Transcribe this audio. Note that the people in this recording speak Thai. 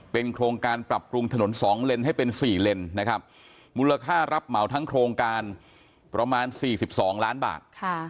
เป็นโครงการปรับปรุงถนน๒เลนให้เป็น๔เลนนะครับมูลค่ารับเหมาทั้งโครงการประมาณ๔๒ล้านบาท